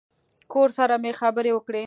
کور سره مې خبرې وکړې.